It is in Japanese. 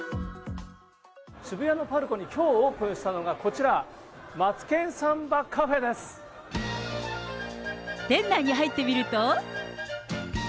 渋谷のＰＡＲＣＯにきょうオープンしたのがこちら、マツケン店内に入ってみると。